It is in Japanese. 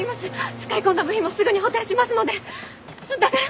使い込んだ部費もすぐに補填しますのでだから